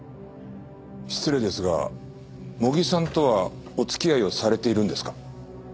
失礼ですが茂木さんとはお付き合いをされているんですか？